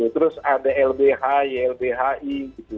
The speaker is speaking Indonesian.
terus ada lbh ylbhi